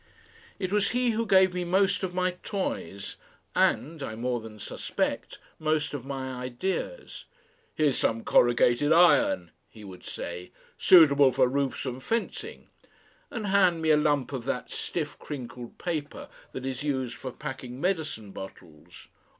It was he who gave me most of my toys and, I more than suspect, most of my ideas. "Here's some corrugated iron," he would say, "suitable for roofs and fencing," and hand me a lump of that stiff crinkled paper that is used for packing medicine bottles.